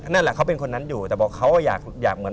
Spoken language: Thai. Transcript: นั่นแหละเขาเป็นคนนั้นอยู่แต่บอกเขาอยากเหมือน